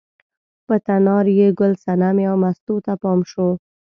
په تنار یې ګل صنمې او مستو ته پام شو.